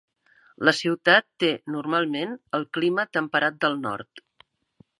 La ciutat té normalment el clima temperat del nord.